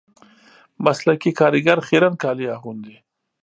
مسلکي کاریګر خیرن کالي اغوندي